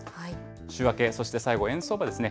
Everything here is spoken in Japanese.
週明け、そして最後、円相場ですね。